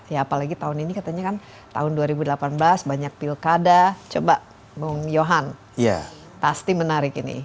ya apalagi tahun ini katanya kan tahun dua ribu delapan belas banyak pilkada coba bung johan pasti menarik ini